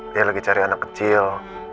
dia lagi cari anak kecil